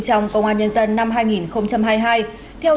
tuy nhiên việc tuyển sinh năm nay có một vài điểm mới